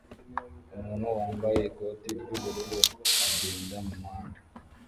Umuntu wambaye ikoti ry'ubururu agenda mumuhanda